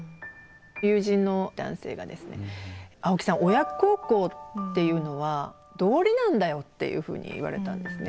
親孝行っていうのは道理なんだよ」っていうふうに言われたんですね。